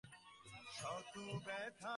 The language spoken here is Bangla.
তারপর লোকের বিশ্বাস হবে, তারপর যা বলবে শুনবে।